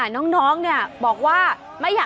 น้องบอกว่า